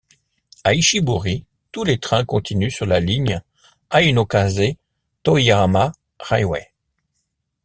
A Ichiburi, tous les trains continuent sur la ligne Ainokaze Toyama Railway.